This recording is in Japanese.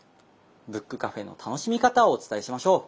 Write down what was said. ブックカフェの楽しみ方をお伝えしましょう！